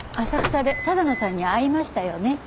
浅草で多田野さんに会いましたよね？